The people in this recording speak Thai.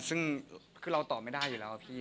ซึ่งคือเราตอบไม่ได้อยู่แล้วพี่